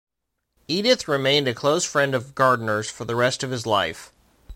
Edith remained a close friend of Gardner's for the rest of his life.